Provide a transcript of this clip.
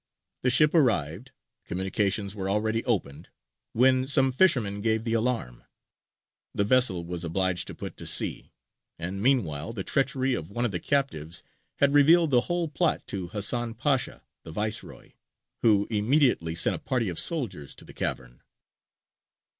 The ship arrived; communications were already opened; when some fishermen gave the alarm; the vessel was obliged to put to sea; and, meanwhile, the treachery of one of the captives had revealed the whole plot to Hasan Pasha, the Viceroy, who immediately sent a party of soldiers to the cavern.